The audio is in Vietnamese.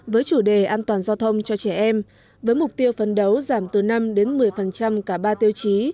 với chủ đề an toàn giao thông cho trẻ em với mục tiêu phấn đấu giảm từ năm đến một mươi cả ba tiêu chí